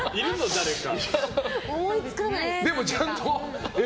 誰か。